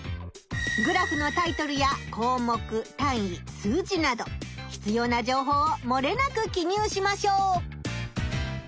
グラフのタイトルやこうもく単位数字などひつような情報をもれなく記入しましょう！